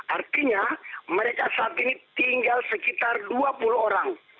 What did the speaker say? artinya mereka saat ini tinggal sekitar dua puluh orang